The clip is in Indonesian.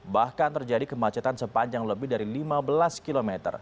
bahkan terjadi kemacetan sepanjang lebih dari lima belas km